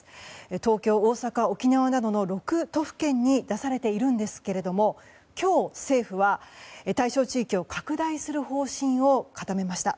東京、大阪、沖縄などの６都府県に出されているんですが今日、政府は対象地域を拡大する方針を固めました。